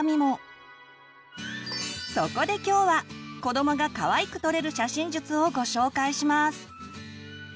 そこで今日は子どもがかわいく撮れる写真術をご紹介します！